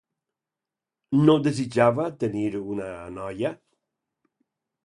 No desitjava tenir una noia?